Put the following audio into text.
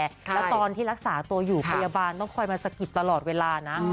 แล้วตอนที่รักษาตัวอยู่พยาบาลต้องคอยมาสะกิดตลอดเวลานะ